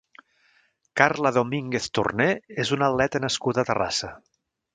Carla Domínguez Torner és una atleta nascuda a Terrassa.